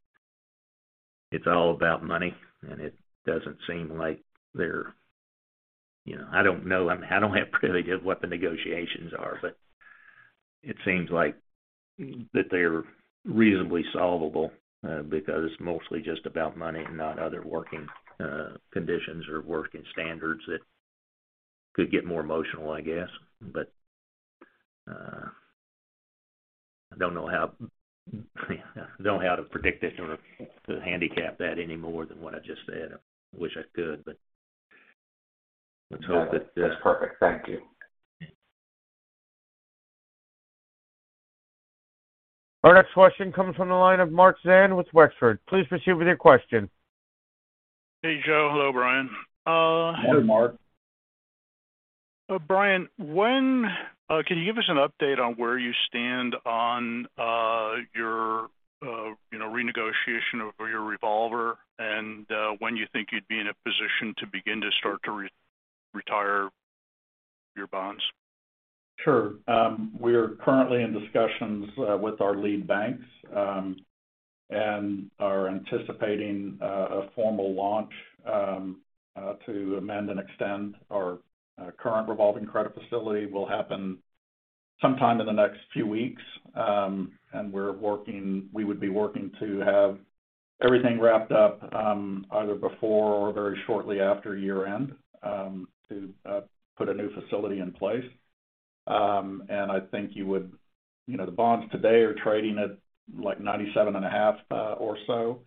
it's all about money, and it doesn't seem like they're. You know, I don't know. I mean, I don't have privilege of what the negotiations are, but it seems like that they're reasonably solvable, because it's mostly just about money and not other working conditions or working standards that could get more emotional, I guess. I don't know how to predict it or to handicap that any more than what I just said. I wish I could, but let's hope that. That's perfect. Thank you. Yeah. Our next question comes from the line of Mark Zand with Wexford. Please proceed with your question. Hey, Joe. Hello, Brian. Hi, Mark. Brian, when can you give us an update on where you stand on, you know, renegotiation of your revolver and when you think you'd be in a position to begin to retire your bonds? Sure. We are currently in discussions with our lead banks and are anticipating a formal launch to amend and extend our current revolving credit facility will happen sometime in the next few weeks. We would be working to have everything wrapped up either before or very shortly after year-end to put a new facility in place. I think you would You know, the bonds today are trading at like 97.5% or so.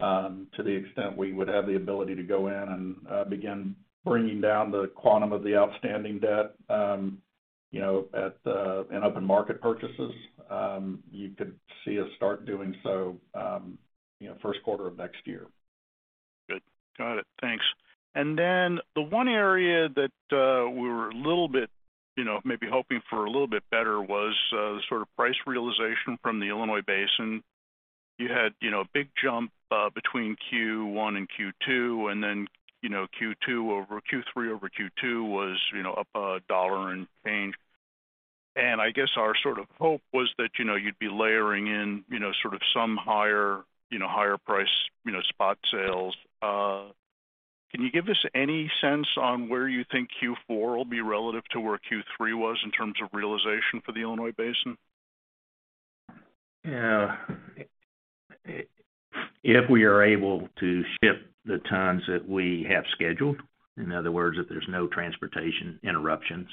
To the extent we would have the ability to go in and begin bringing down the quantum of the outstanding debt, you know, in open market purchases, you could see us start doing so, you know, first quarter of next year. Good. Got it. Thanks. The one area that we were a little bit, you know, maybe hoping for a little bit better was the sort of price realization from the Illinois Basin. You had, you know, a big jump between Q1 and Q2, and then, you know, Q3 over Q2 was, you know, up $1 and change. I guess our sort of hope was that, you know, you'd be layering in, you know, sort of some higher, you know, higher price, you know, spot sales. Can you give us any sense on where you think Q4 will be relative to where Q3 was in terms of realization for the Illinois Basin? Yeah. If we are able to ship the tons that we have scheduled, in other words, if there's no transportation interruptions,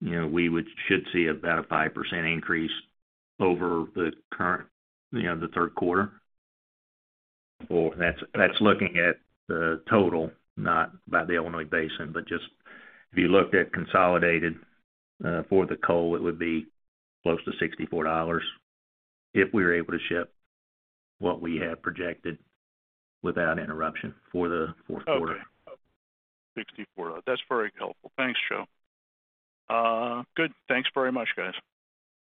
you know, we should see about a 5% increase over the current, you know, the third quarter. That's looking at the total, not by the Illinois Basin, but just if you look at consolidated for the coal, it would be close to $64 if we were able to ship what we have projected without interruption for the fourth quarter. Okay. 64. That's very helpful. Thanks, Joe. Good. Thanks very much, guys.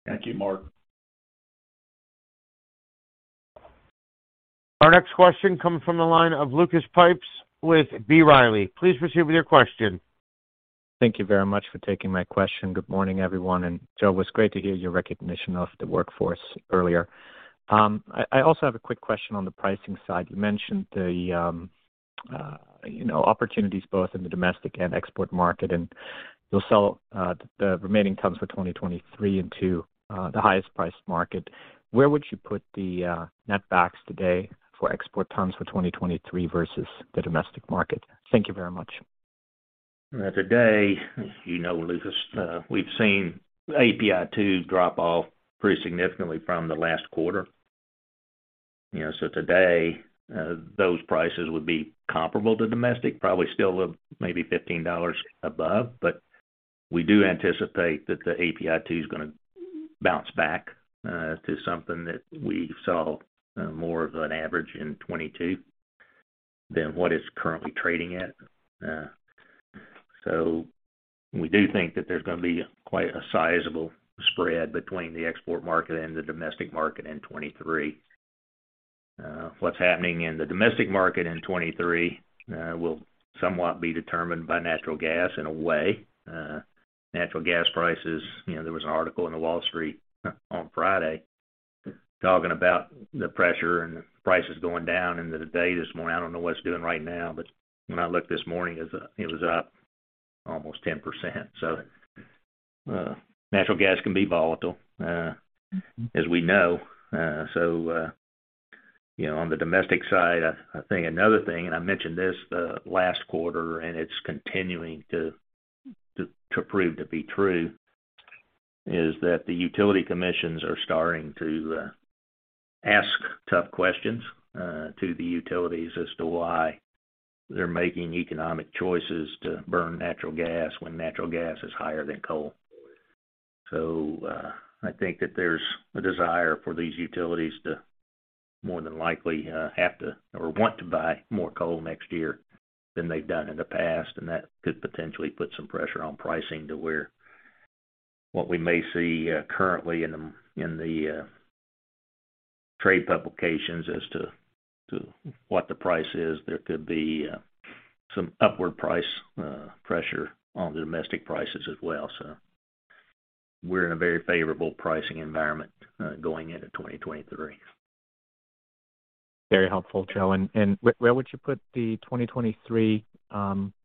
Thank you, Mark. Our next question comes from the line of Lucas Pipes with B. Riley. Please proceed with your question. Thank you very much for taking my question. Good morning, everyone. Joe, it was great to hear your recognition of the workforce earlier. I also have a quick question on the pricing side. You mentioned the, you know, opportunities both in the domestic and export market, and you'll sell the remaining tons for 2023 into the highest priced market. Where would you put the net backs today for export tons for 2023 versus the domestic market? Thank you very much. Today, you know, Lucas, we've seen API2 drop off pretty significantly from the last quarter. You know, so today, those prices would be comparable to domestic, probably still maybe $15 above. We do anticipate that the API2 is gonna bounce back, to something that we saw more of an average in 2022 than what it's currently trading at. We do think that there's gonna be quite a sizable spread between the export market and the domestic market in 2023. What's happening in the domestic market in 2023, will somewhat be determined by natural gas in a way. Natural gas prices, you know, there was an article in The Wall Street Journal on Friday talking about the pressure and prices going down. Today, this morning, I don't know what it's doing right now, but when I looked this morning, it was up almost 10%. Natural gas can be volatile, as we know. You know, on the domestic side, I think another thing, and I mentioned this last quarter, and it's continuing to prove to be true, is that the utility commissions are starting to ask tough questions to the utilities as to why they're making economic choices to burn natural gas when natural gas is higher than coal. I think that there's a desire for these utilities to more than likely have to or want to buy more coal next year than they've done in the past, and that could potentially put some pressure on pricing to where what we may see currently in the trade publications as to what the price is. There could be some upward price pressure on the domestic prices as well. We're in a very favorable pricing environment going into 2023. Very helpful, Joe. Where would you put the 2023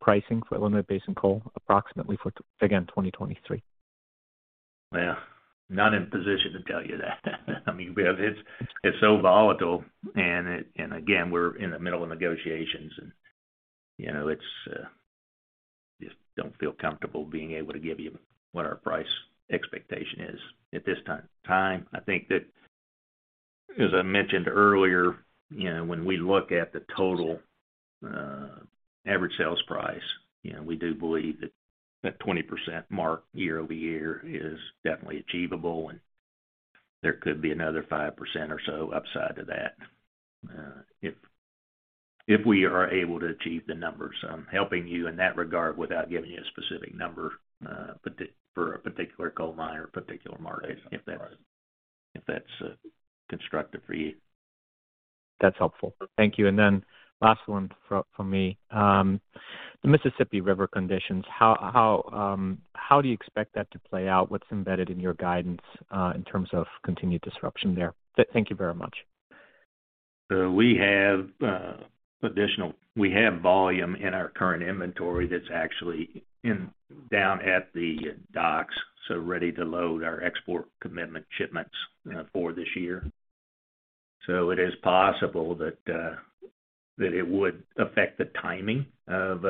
pricing for Illinois Basin coal approximately for, again, 2023? Well, not in a position to tell you that. I mean, It's so volatile and again, we're in the middle of negotiations and, you know, it's just I don't feel comfortable being able to give you what our price expectation is at this time. I think that as I mentioned earlier, you know, when we look at the total average sales price, you know, we do believe that that 20% mark year-over-year is definitely achievable and there could be another 5% or so upside to that, if we are able to achieve the numbers. I'm helping you in that regard without giving you a specific number for a particular coal mine or a particular market, if that's constructive for you. That's helpful. Thank you. Last one from me. The Mississippi River conditions, how do you expect that to play out? What's embedded in your guidance, in terms of continued disruption there? Thank you very much. We have volume in our current inventory that's actually down at the docks, so ready to load our export commitment shipments for this year. It is possible that it would affect the timing of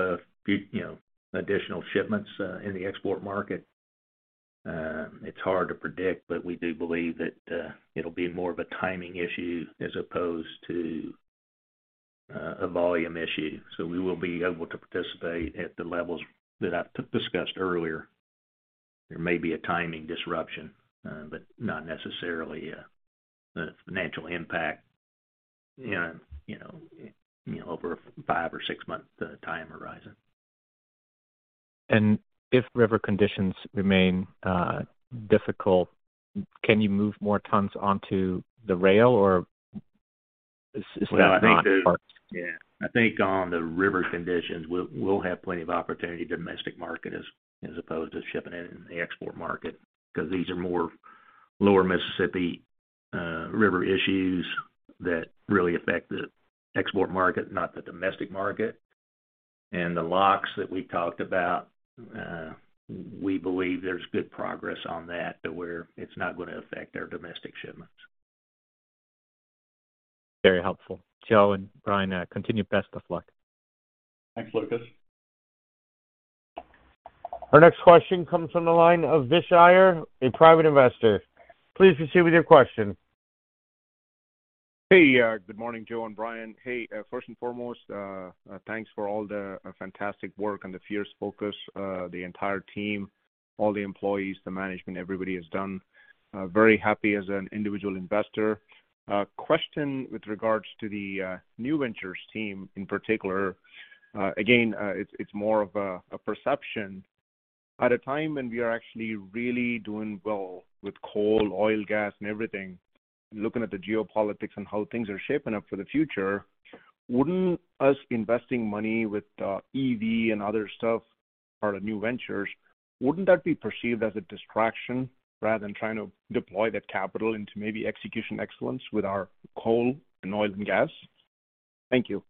you know additional shipments in the export market. It's hard to predict, but we do believe that it'll be more of a timing issue as opposed to a volume issue. We will be able to participate at the levels that I discussed earlier. There may be a timing disruption, but not necessarily a financial impact, you know, over a five or six-month time horizon. If river conditions remain difficult, can you move more tons onto the rail or is that not part? Well, yeah. I think on the river conditions, we'll have plenty of opportunity in the domestic market as opposed to shipping it to the export market. 'Cause these are more lower Mississippi River issues that really affect the export market, not the domestic market. The locks that we talked about, we believe there's good progress on that to where it's not gonna affect our domestic shipments. Very helpful. Joe and Brian, continue. Best of luck. Thanks, Lucas. Our next question comes from the line of Vijay Shair, a private investor. Please proceed with your question. Hey, good morning, Joe and Brian. Hey, first and foremost, thanks for all the fantastic work and the fierce focus of the entire team, all the employees, the management, everybody has done. Very happy as an individual investor. Question with regards to the new ventures team in particular. Again, it's more of a perception. At a time when we are actually really doing well with coal, oil, gas and everything, looking at the geopolitics and how things are shaping up for the future, wouldn't our investing money with EV and other stuff, part of new ventures, be perceived as a distraction rather than trying to deploy that capital into maybe execution excellence with our coal and oil and gas? Thank you.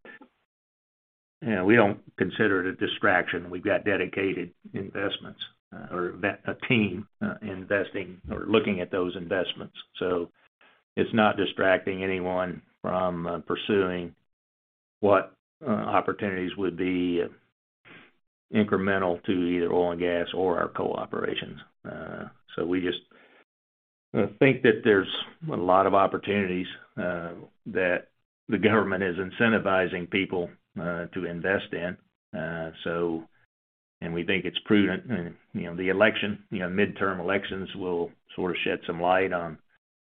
Yeah, we don't consider it a distraction. We've got dedicated investments, or a team investing or looking at those investments. It's not distracting anyone from pursuing what opportunities would be incremental to either oil and gas or our coal operations. We just think that there's a lot of opportunities that the government is incentivizing people to invest in. We think it's prudent. You know, the election, you know, midterm elections will sort of shed some light on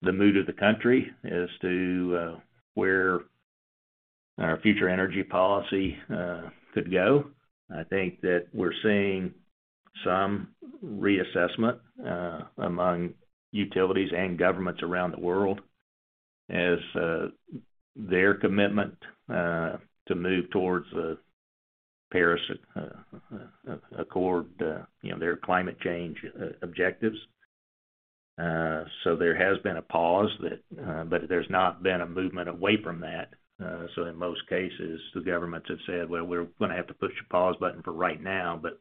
the mood of the country as to where our future energy policy could go. I think that we're seeing some reassessment among utilities and governments around the world as their commitment to move towards the Paris Accord, you know, their climate change objectives. There has been a pause that, but there's not been a movement away from that. In most cases, the governments have said, "Well, we're gonna have to push a pause button for right now, but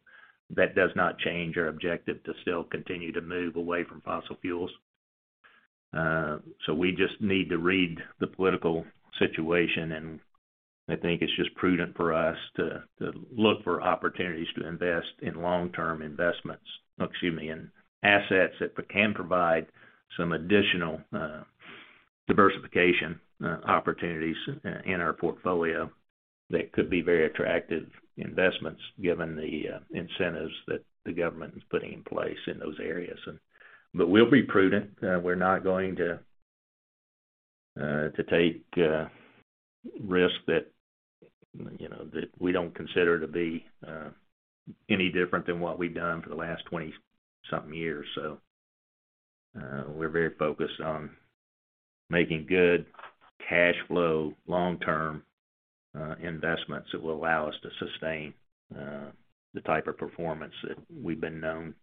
that does not change our objective to still continue to move away from fossil fuels." We just need to read the political situation, and I think it's just prudent for us to look for opportunities to invest in long-term investments. Excuse me, in assets that can provide some additional diversification opportunities in our portfolio that could be very attractive investments given the incentives that the government is putting in place in those areas. We'll be prudent. We're not going to take risks that, you know, that we don't consider to be any different than what we've done for the last 20-something years. We're very focused on making good cash flow long-term investments that will allow us to sustain the type of performance that we've been known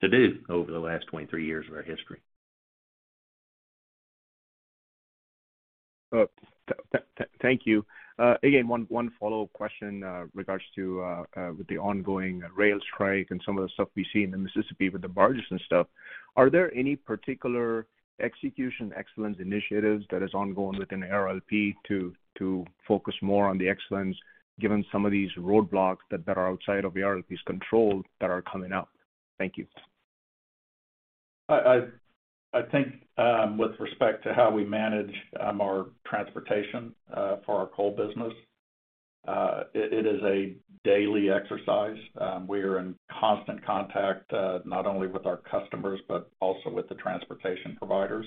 to do over the last 23 years of our history. Thank you. Again, one follow-up question regards to with the ongoing rail strike and some of the stuff we see in the Mississippi with the barges and stuff. Are there any particular execution excellence initiatives that is ongoing within ARLP to focus more on the excellence given some of these roadblocks that are outside of ARLP's control that are coming up? Thank you. I think with respect to how we manage our transportation for our coal business, it is a daily exercise. We are in constant contact not only with our customers but also with the transportation providers.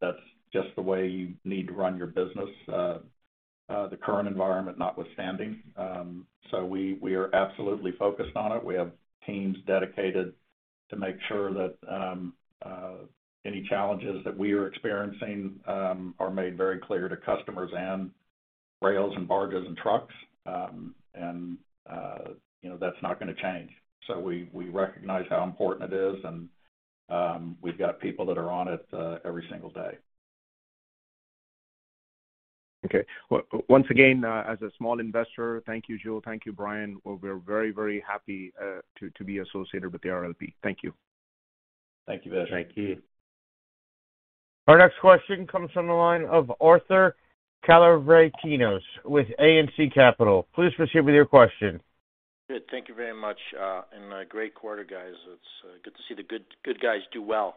That's just the way you need to run your business, the current environment notwithstanding. We are absolutely focused on it. We have teams dedicated to make sure that any challenges that we are experiencing are made very clear to customers and rails and barges and trucks. You know, that's not gonna change. We recognize how important it is, and we've got people that are on it every single day. Okay. Once again, as a small investor, thank you, Joe. Thank you, Brian. We're very, very happy to be associated with the ARLP. Thank you. Thank you very much. Thank you. Our next question comes from the line of Arthur Calavritinos with ANC Capital. Please proceed with your question. Good. Thank you very much, and a great quarter, guys. It's good to see the good guys do well.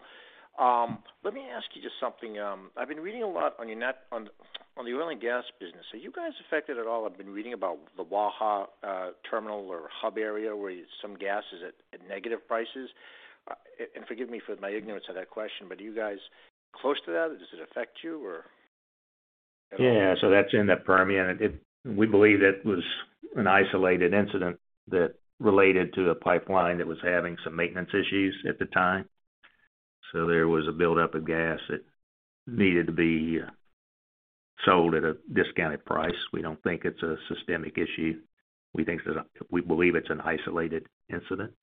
Let me ask you just something. I've been reading a lot on the oil and gas business. Are you guys affected at all? I've been reading about the Waha terminal or hub area where some gas is at negative prices. And forgive me for my ignorance of that question, but are you guys close to that? Does it affect you at all? Yeah. That's in the Permian. We believe that was an isolated incident that related to the pipeline that was having some maintenance issues at the time. There was a buildup of gas that needed to be sold at a discounted price. We don't think it's a systemic issue. We believe it's an isolated incident.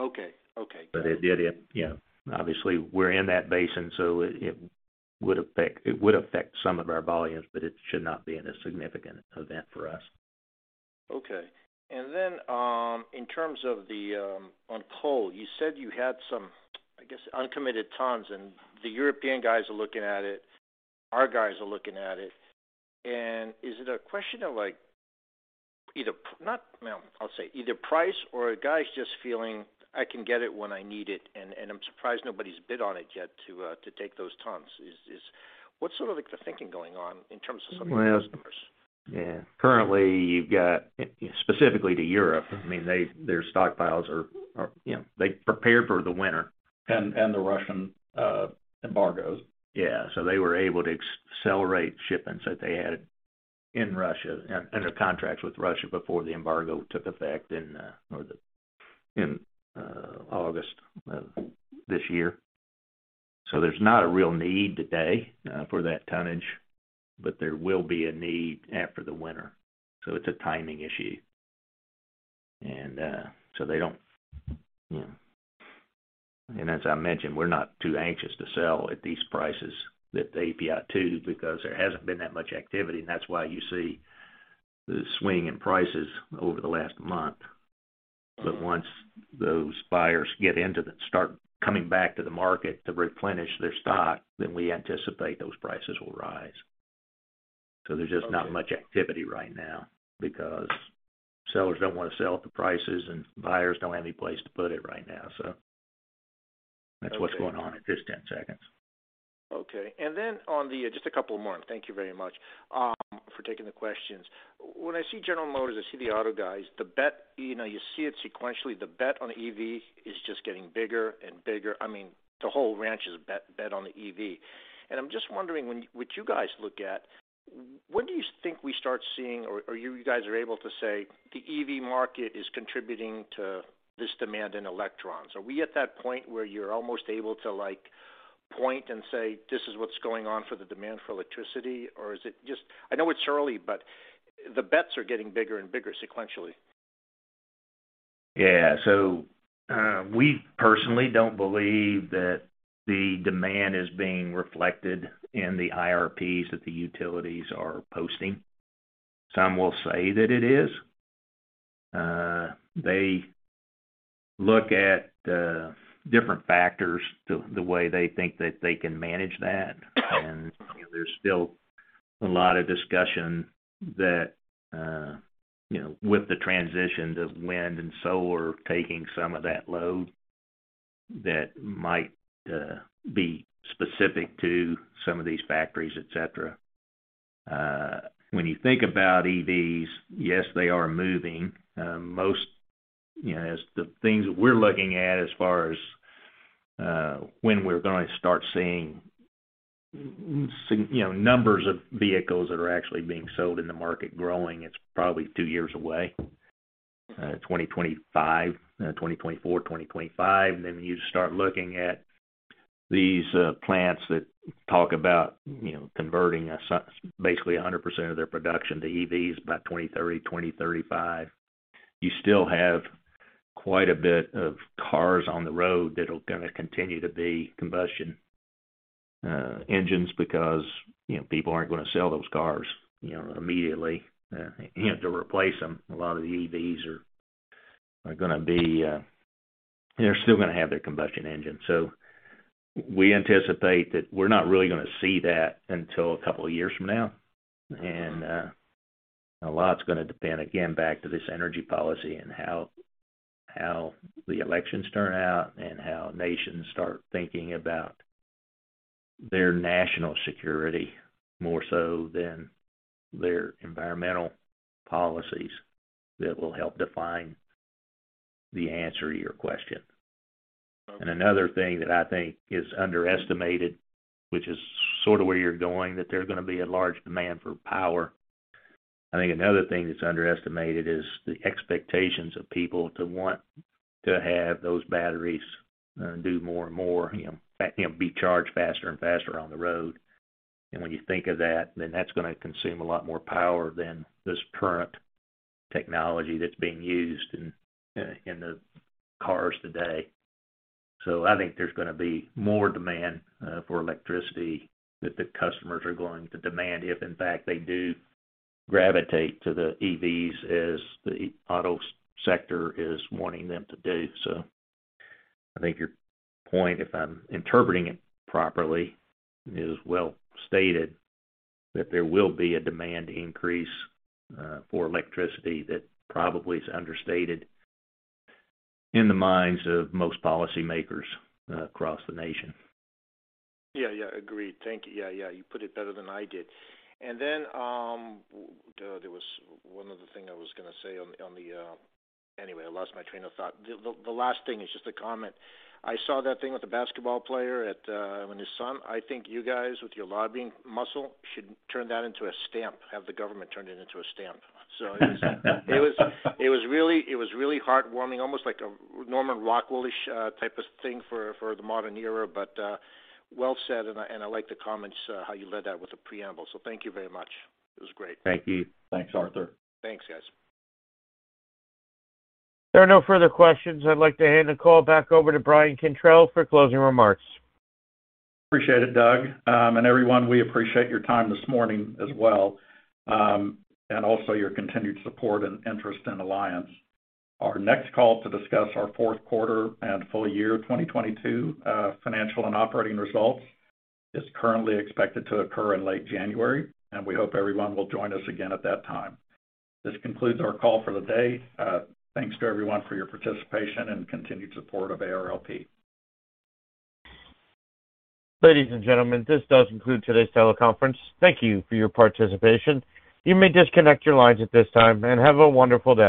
Okay. Okay. It did it. You know, obviously, we're in that basin, so it would affect some of our volumes, but it should not be a significant event for us. Okay. In terms of on coal, you said you had some, I guess, uncommitted tons, and the European guys are looking at it, our guys are looking at it. Is it a question of like either price or our guys just feeling, "I can get it when I need it, and I'm surprised nobody's bid on it yet to take those tons." What's sort of like the thinking going on in terms of some of your customers? Well, yeah. Currently, specifically to Europe, I mean, their stockpiles are, you know, they prepared for the winter. The Russian embargoes. Yeah. They were able to accelerate shipments that they had in Russia, and under contracts with Russia before the embargo took effect in August of this year. There's not a real need today for that tonnage, but there will be a need after the winter. It's a timing issue. They don't, you know. As I mentioned, we're not too anxious to sell at these prices that the API 2, because there hasn't been that much activity, and that's why you see the swing in prices over the last month. Once those buyers start coming back to the market to replenish their stock, then we anticipate those prices will rise. There's just not much activity right now because sellers don't want to sell at the prices, and buyers don't have any place to put it right now. That's what's going on at this 10 seconds. Just a couple more. Thank you very much for taking the questions. When I see General Motors, I see the auto guys, the bet, you know, you see it sequentially, the bet on EV is just getting bigger and bigger. I mean, the whole ranch is a bet on the EV. I'm just wondering, what you guys look at, when do you think we start seeing or you guys are able to say the EV market is contributing to this demand in electrons? Are we at that point where you're almost able to, like, point and say, "This is what's going on for the demand for electricity"? Or is it just I know it's early, but the bets are getting bigger and bigger sequentially. Yeah. We personally don't believe that the demand is being reflected in the IRPs that the utilities are posting. Some will say that it is. They look at the different factors, the way they think that they can manage that. You know, there's still a lot of discussion that, you know, with the transition to wind and solar taking some of that load that might be specific to some of these factories, et cetera. When you think about EVs, yes, they are moving. Most, you know, as the things we're looking at as far as, when we're gonna start seeing, you know, numbers of vehicles that are actually being sold in the market growing, it's probably two years away, 2025, 2024, 2025. Then you start looking at these plants that talk about, you know, converting basically 100% of their production to EVs by 2030, 2035. You still have quite a bit of cars on the road that are gonna continue to be combustion engines because, you know, people aren't gonna sell those cars, you know, immediately, you know, to replace them. A lot of the EVs are gonna be, they're still gonna have their combustion engine. So we anticipate that we're not really gonna see that until a couple of years from now. A lot's gonna depend, again, back to this energy policy and how the elections turn out and how nations start thinking about their national security more so than their environmental policies that will help define the answer to your question. Another thing that I think is underestimated, which is sort of where you're going, that there's gonna be a large demand for power. I think another thing that's underestimated is the expectations of people to want to have those batteries do more and more, you know, be charged faster and faster on the road. When you think of that, then that's gonna consume a lot more power than this current technology that's being used in the cars today. I think there's gonna be more demand for electricity that the customers are going to demand if in fact they do gravitate to the EVs as the auto sector is wanting them to do. I think your point, if I'm interpreting it properly, is well stated that there will be a demand increase, for electricity that probably is understated in the minds of most policymakers across the nation. Yeah. Yeah. Agreed. Thank you. Yeah. Yeah. You put it better than I did. Then, there was one other thing I was gonna say. Anyway, I lost my train of thought. The last thing is just a comment. I saw that thing with the basketball player at when his son. I think you guys, with your lobbying muscle, should turn that into a stamp, have the government turn it into a stamp. It was really heartwarming, almost like a Norman Rockwell-ish type of thing for the modern era. Well said, and I like the comments how you led that with a preamble. Thank you very much. It was great. Thank you. Thanks, Arthur. Thanks, guys. There are no further questions. I'd like to hand the call back over to Brian Cantrell for closing remarks. Appreciate it, Doug. Everyone, we appreciate your time this morning as well, and also your continued support and interest in Alliance. Our next call to discuss our fourth quarter and full year 2022 financial and operating results is currently expected to occur in late January, and we hope everyone will join us again at that time. This concludes our call for the day. Thanks to everyone for your participation and continued support of ARLP. Ladies and gentlemen, this does conclude today's teleconference. Thank you for your participation. You may disconnect your lines at this time, and have a wonderful day.